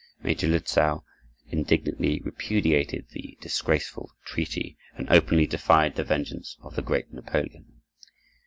Major Lützow indignantly repudiated the disgraceful treaty and openly defied the vengeance of the great Napoleon.